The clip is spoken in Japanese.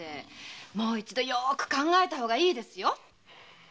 もう一度よく考えた方がいいですよ。